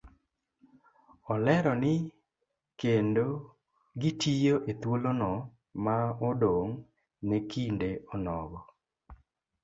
Olero ni kendo gitiyo ethuolono ma odong' ne kinde onogo